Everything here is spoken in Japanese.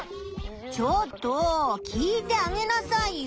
ちょっと聞いてあげなさいよ。